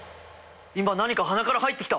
今何か鼻から入ってきた！